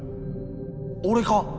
俺か？